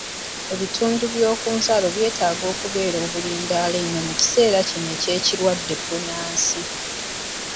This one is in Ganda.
Ebitundu by'oku nsalo byetaaga okubeera bulindaala nnyo mu kiseera kino eky'ekirwadde bbunansi.